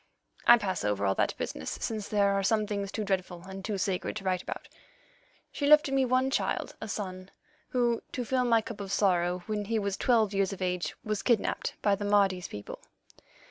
I pass over all that business, since there are some things too dreadful and too sacred to write about. She left me one child, a son, who, to fill up my cup of sorrow, when he was twelve years of age, was kidnapped by the Mardi's people.